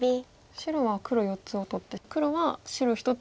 白は黒４つを取って黒は白１つ。